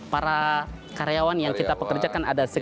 para karyawan yang kita pekerjakan ada